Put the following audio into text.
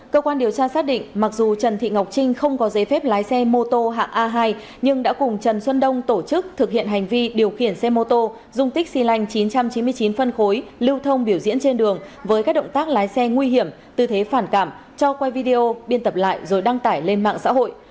cơ quan điều tra xác định mặc dù trần thị ngọc trinh không có giấy phép lái xe mô tô hạng a hai nhưng đã cùng trần xuân đông tổ chức thực hiện hành vi điều khiển xe mô tô dùng tích xì lành chín trăm chín mươi chín phân khối lưu thông biểu diễn trên đường với các động tác lái xe nguy hiểm tư thế phản cảm cho quay video biên tập lại rồi đăng tải lên mạng xã hội